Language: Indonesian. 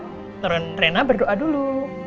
turun reina berdoa dulu